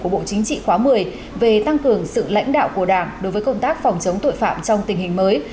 của bộ chính trị khóa một mươi về tăng cường sự lãnh đạo của đảng đối với công tác phòng chống tội phạm trong tình hình mới